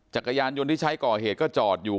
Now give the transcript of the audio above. จักรยานยนต์ที่ใช้ก่อเหตุก็จอดอยู่